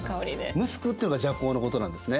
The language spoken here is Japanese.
ムスクっていうのが麝香のことなんですね。